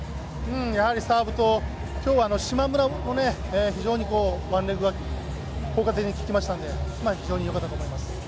やはりサーブと、今日は島村も非常にワンレグが効果的に効きましたので非常によかったと思います。